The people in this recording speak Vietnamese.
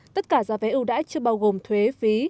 tất cả giá vé ưu đãi chưa bao gồm thuế phí